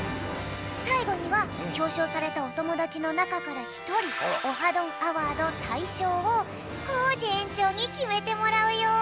さいごにはひょうしょうされたおともだちのなかからひとり「オハ！どんアワード」たいしょうをコージえんちょうにきめてもらうよ。